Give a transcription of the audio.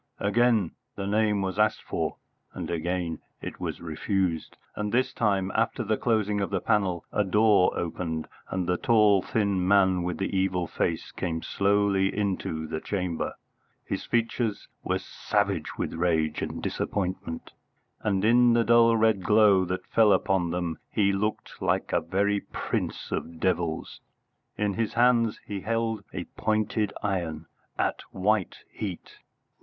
Again the name was asked for, and again it was refused; and this time, after the closing of the panel, a door opened, and the tall thin man with the evil face came slowly into the chamber. His features were savage with rage and disappointment, and in the dull red glow that fell upon them he looked like a very prince of devils. In his hand he held a pointed iron at white heat.